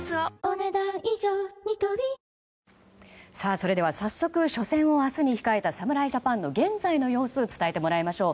それでは早速、初戦を明日に控えた侍ジャパンの現在の様子を伝えてもらいましょう。